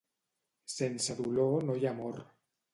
Sense dolor no hi ha amor.